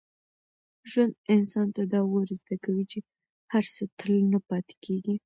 ژوند انسان ته دا ور زده کوي چي هر څه تل نه پاتې کېږي.